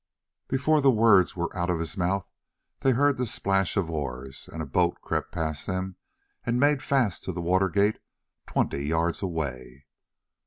Before the words were out of his mouth they heard the splash of oars, and a boat crept past them and made fast to the water gate twenty yards away.